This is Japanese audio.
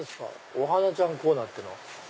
「お花ちゃんコーナー」ってのは。